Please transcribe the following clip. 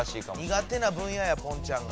にが手な分野やポンちゃんが。